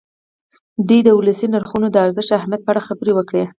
دوی دې د ولسي نرخونو د ارزښت او اهمیت په اړه خبرې وکړي.